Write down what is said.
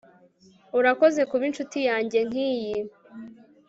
urakoze kuba inshuti yanjye nkiyi